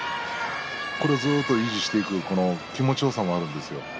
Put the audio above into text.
これをずっと維持していく気持ちよさもあるんですよ